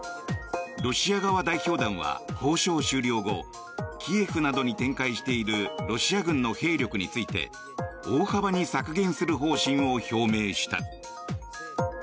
ロシア側代表団は交渉終了後キエフなどに展開しているロシア軍の兵力について大幅に削減する方針を表明した。